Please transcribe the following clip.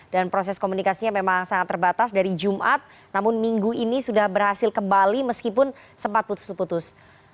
dan proses komunikasinya memang sangat terbatas dari jumat namun minggu ini sudah berhasil kembali meskipun sempat putus putus